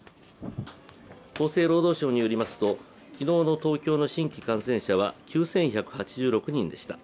厚生労働省によりますと昨日の東京の新規感染者は９１８６人でした。